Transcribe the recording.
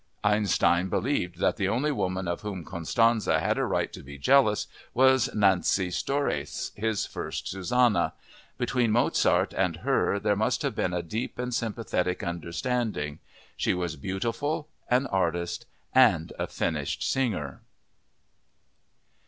Einstein believed that the only woman of whom Constanze had a right to be jealous "was Nancy Storace, his first Susanna.... Between Mozart and her there must have been a deep and sympathetic understanding. She was beautiful, an artist and a finished singer...."